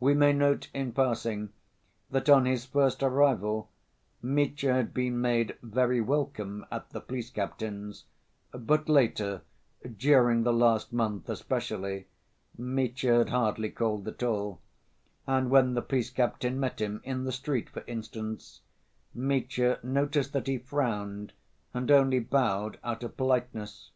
We may note in passing that, on his first arrival, Mitya had been made very welcome at the police captain's, but later, during the last month especially, Mitya had hardly called at all, and when the police captain met him, in the street, for instance, Mitya noticed that he frowned and only bowed out of politeness.